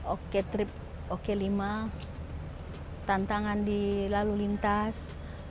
oke trip oke lima tantangan di lalu lintas